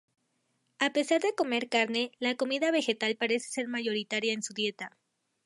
A pesar de comer carne, la comida vegetal parece ser mayoritaria en su dieta.